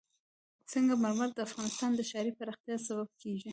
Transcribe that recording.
سنگ مرمر د افغانستان د ښاري پراختیا سبب کېږي.